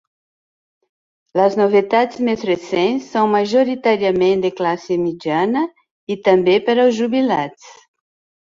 Les novetats més recents són majoritàriament de classe mitjana, i també per als jubilats.